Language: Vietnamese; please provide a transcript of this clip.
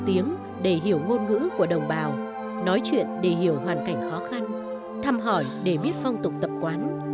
một việc học tiếng để hiểu ngôn ngữ của đồng bào nói chuyện để hiểu hoàn cảnh khó khăn thăm hỏi để biết phong tục tập quán